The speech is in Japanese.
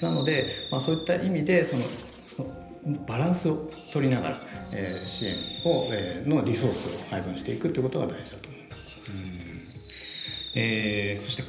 なので、そういった意味でバランスをとりながら支援のリソースを配分していくということが大事だと思います。